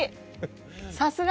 さすが！